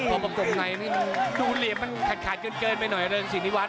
พอประกบในนี่ดูเหลี่ยมมันขาดเกินไปหน่อยเริงสินิวัฒ